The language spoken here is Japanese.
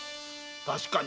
確かに。